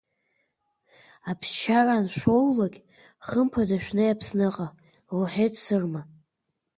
Аԥсшьара аншәоулакь, хымԥада шәнеи Аԥсныҟа, — лҳәеит Сырма.